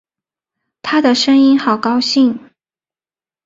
她的声音好高兴